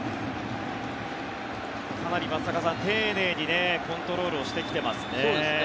かなり松坂さん、丁寧にコントロールをしてきてますね。